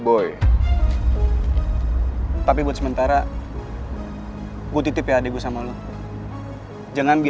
bibi keluar dulu ya non